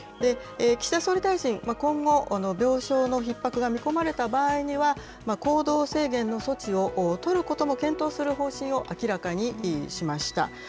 岸田総理大臣、今後、病床のひっ迫が見込まれた場合には、行動制限の措置を取ることも検討する方針を明らかにしました。